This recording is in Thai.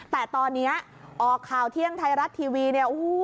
แต่ตอนนี้ออกข่าวเที่ยงไทยรัฐทีวีเนี่ย